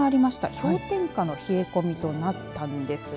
氷点下の冷え込みとなったんですね。